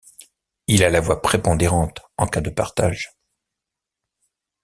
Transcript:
Il a voix prépondérante en cas de partage.